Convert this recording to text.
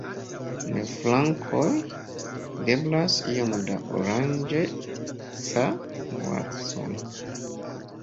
En flankoj videblas iom da oranĝeca nuanco.